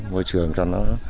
môi trường cho nó